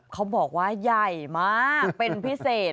เขาบอกว่าใหญ่มากเป็นพิเศษ